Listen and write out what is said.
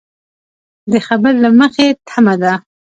د خبر له مخې تمه ده